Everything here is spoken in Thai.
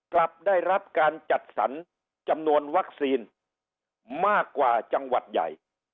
กลับได้รับการจัดสรรจำนวนวัคซีนมากกว่าจังหวัดใหญ่